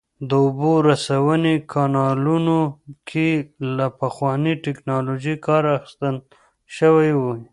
د اوبو رسونې کانالونو کې له پخوانۍ ټکنالوژۍ کار اخیستل شوی و